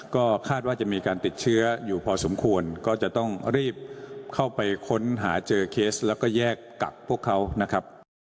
ก็คาดว่าจะมีการติดเชื้ออยู่พอสมควรก็จะต้องรีบเข้าไปค้นหาเจอเคสแล้วก็แยกกักพวกเขานะครับ